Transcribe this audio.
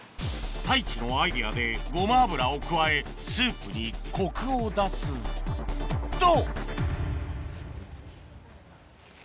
太一のアイデアでゴマ油を加えスープにコクを出すと！